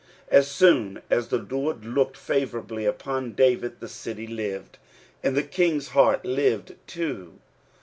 As soon as the Lord looked favourably upon David, the city lived, and the kind's heart lived too.